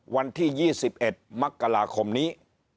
วันที่๒๑มกราคมนี้